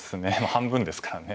半分ですからね。